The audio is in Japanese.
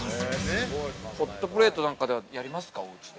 ◆ホットプレートなんかでは、やりますか、おうちで。